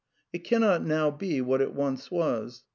It cannot now be what it once was.